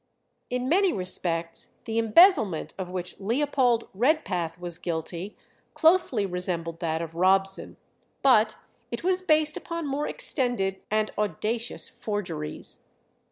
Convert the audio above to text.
In many respects the embezzlement of which Leopold Redpath was guilty closely resembled that of Robson, but it was based upon more extended and audacious forgeries.